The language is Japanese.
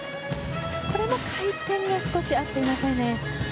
これも回転も少し合ってませんね。